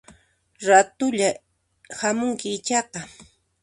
Ratullayá hamunki ichaqa